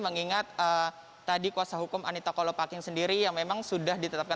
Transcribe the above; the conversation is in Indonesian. mengingat tadi kuasa hukum anita kolopaking sendiri yang memang sudah ditetapkan